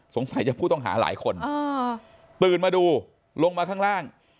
สงสัยจะผู้ต้องหาหลายคนตื่นมาดูลงมาข้างล่าง